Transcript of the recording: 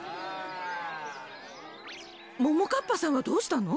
ももかっぱさんはどうしたの？